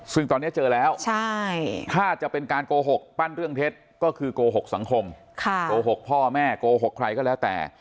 ซึ่งตอนนี้เจอแล้วถ้าจะเป็นการโกหกปั้นเรื่องเท็จก็คือโกหกสังคมโกหกพ่อแม่โกหกใครก็แล้วแต่